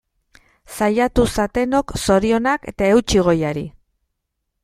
Saiatu zatenok, zorionak eta eutsi goiari!